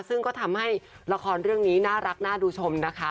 ซึ่งก็ทำให้ละครเรื่องนี้น่ารักน่าดูชมนะคะ